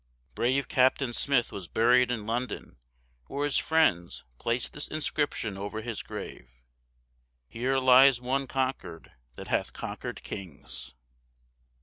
Brave Captain Smith was buried in London, where his friends placed this inscription over his grave: "Here lies one conquered, that hath conquered kings."